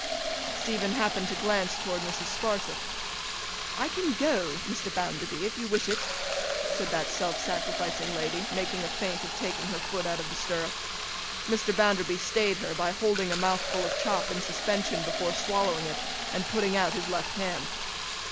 Stephen happened to glance towards Mrs. Sparsit. 'I can go, Mr. Bounderby, if you wish it,' said that self sacrificing lady, making a feint of taking her foot out of the stirrup. Mr. Bounderby stayed her, by holding a mouthful of chop in suspension before swallowing it, and putting out his left hand.